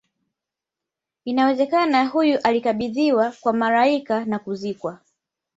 inawezeka huyu alikabidhiwa kwa malaika na kuzikwa